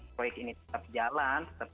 proyek ini tetap jalan